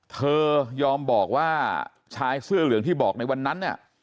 เธอยอมบอกว่าชายเสื้อเหลืองที่บอกในวันนั้นเนี่ย